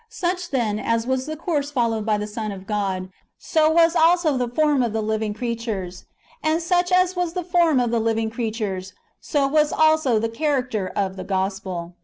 Such, then, as w^as the course followed by the Son of God, so was also the form of the living creatures ; and such as was the form of the living creatures, so was also the charac ter of the Gospel.